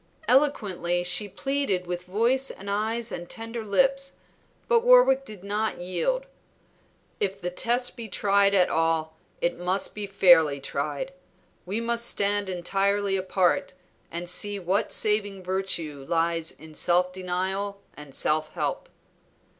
Eloquently she pleaded with voice and eyes and tender lips, but Warwick did not yield. "If the test be tried at all it must be fairly tried. We must stand entirely apart and see what saving virtue lies in self denial and self help."